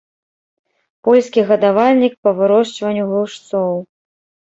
Польскі гадавальнік па вырошчванню глушцоў.